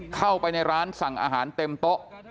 เข้าไปในร้านสั่งอาหารเต็มโต๊ะ